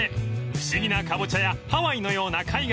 ［不思議なカボチャやハワイのような海岸］